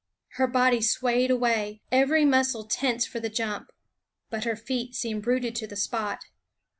Her body swayed away, every muscle tense for the jump ; but her feet seemed rooted to the spot.